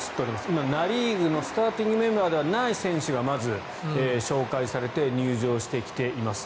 今、ナ・リーグのスターティングメンバーではない選手がまず、紹介されて入場してきています。